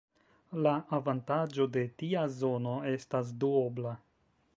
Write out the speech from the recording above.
La avantaĝo de tia zono estas duobla.